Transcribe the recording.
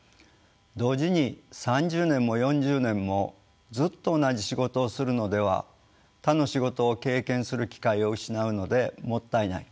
同時に３０年も４０年もずっと同じ仕事をするのでは他の仕事を経験する機会を失うのでもったいない。